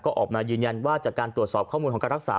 ก็ออกมายืนยันว่าจากการตรวจสอบข้อมูลของการรักษา